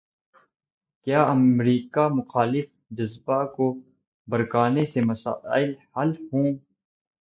کیا امریکہ مخالف جذبات کو بھڑکانے سے مسائل حل ہوں۔